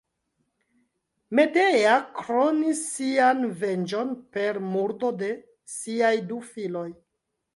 Medea kronis sian venĝon per murdo de siaj du filoj.